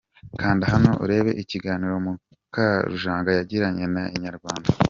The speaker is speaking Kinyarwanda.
Kanda hano urebe ikiganiro Mukarujanga yagiranye na Inyarwanda.